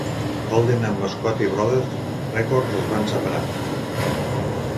Holden and Scotti Brothers Records es van separar.